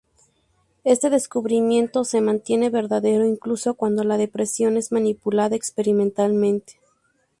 Este descubrimiento se mantiene verdadero incluso cuando la depresión es manipulada experimentalmente.